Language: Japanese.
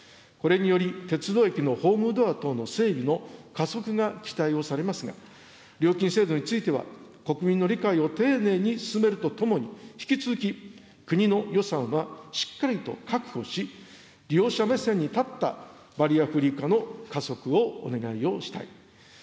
これにより、鉄道駅のホームドア等の整備も加速が期待をされますが、料金制度については、国民の理解を丁寧に進めるとともに、引き続き、国の予算はしっかりと確保し、利用者目線に立ったバリアフリー化の加速をお願いをしたい。